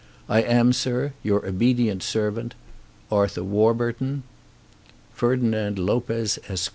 I am, sir, Your obedient servant, ARTHUR WARBURTON. Ferdinand Lopez, Esq.